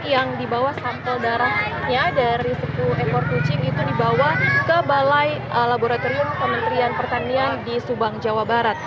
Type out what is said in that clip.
yang dibawa sampel darahnya dari sepuluh ekor kucing itu dibawa ke balai laboratorium kementerian pertanian di subang jawa barat